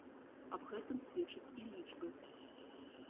Аб гэтым сведчаць і лічбы.